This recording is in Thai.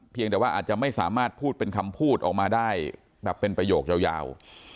แต่ว่าอาจจะไม่สามารถพูดเป็นคำพูดออกมาได้แบบเป็นประโยคยาว